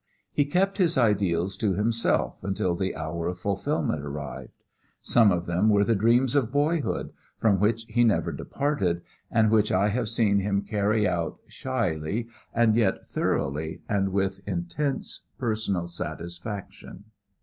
He kept his ideals to himself until the hour of fulfillment arrived. Some of them were the dreams of boyhood, from which he never departed, and which I have seen him carry out shyly and yet thoroughly and with intense personal satisfaction.